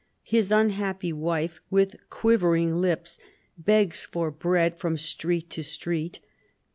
His unhappy wife, with quivering li])s, begs for bread from street to street.